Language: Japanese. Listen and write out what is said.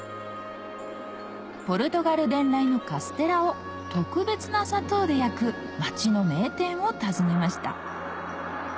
ポルトガル伝来のカステラを特別な砂糖で焼く町の名店を訪ねました